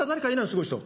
すごい人。